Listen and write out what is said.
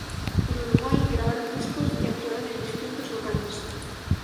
En Uruguay grabaron discos y actuaron en distintos locales.